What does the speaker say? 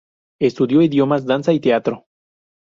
Estudió idiomas, danza y teatro.